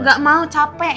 gak mau capek